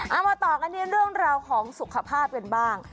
เอามาต่อกันที่เรื่องราวของสุขภาพกันบ้าง